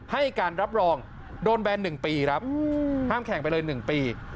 ให้การรับรองโดนแบน๑ปีครับห้ามแข่งไปเลย๑ปี